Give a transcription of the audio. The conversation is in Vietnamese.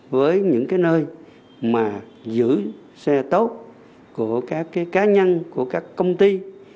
với những nơi mà giữ xe tốt của các cá nhân của các công ty